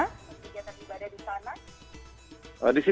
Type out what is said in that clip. kegiatan ibadah di sana